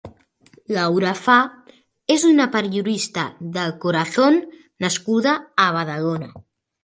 Laura Fa és una periodista del corazón nascuda a Badalona.